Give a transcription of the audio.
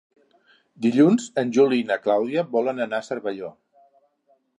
Dilluns en Juli i na Clàudia volen anar a Cervelló.